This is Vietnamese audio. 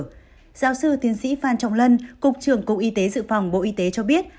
giáo sư tiến sĩ phan trọng lân cục trưởng cục y tế dự phòng bộ y tế cho biết